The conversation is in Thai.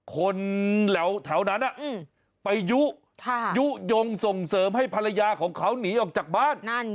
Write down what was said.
คนแถวนั้นไปยุยุโยงส่งเสริมให้ภรรยาของเขาหนีออกจากบ้าน